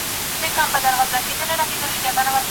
شاه محمود د خپل هیواد د بریا لپاره هرڅه قربان کړل.